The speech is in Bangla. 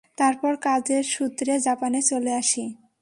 তারপর, কাজের সূত্রে জাপানে চলে আসি।